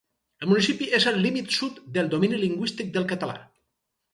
El municipi és el límit sud del domini lingüístic del català.